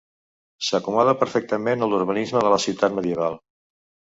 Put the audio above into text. S'acomoda perfectament a l'urbanisme de la ciutat medieval.